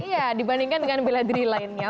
iya dibandingkan dengan bela diri lainnya